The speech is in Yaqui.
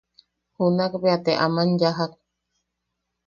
Junakbea te aman yajak.